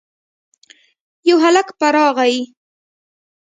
يو هلک په راغی.